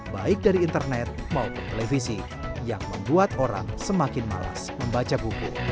baik dari internet maupun televisi yang membuat orang semakin malas membaca buku